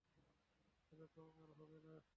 এরকম আর হবে না।